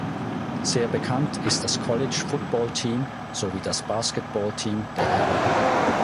Sehr bekannt ist das College-Football-Team sowie das Basketballteam der Herren.